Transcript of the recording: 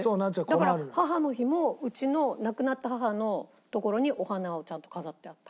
だから母の日もうちの亡くなった母のところにお花をちゃんと飾ってあった。